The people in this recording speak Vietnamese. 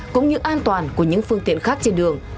cũng như an toàn của những phương tiện khác trên đường